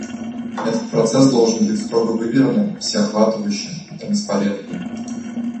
Этот процесс должен быть строго выверенным, всеохватывающим и транспарентным.